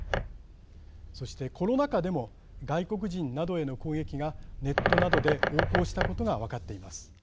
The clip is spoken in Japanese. そしてコロナ禍でも外国人などへの攻撃がネットなどで横行したことが分かっています。